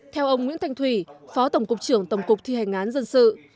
theo ông nguyễn thanh thủy phó tổng cục trưởng tổng cục thi hành án dân sự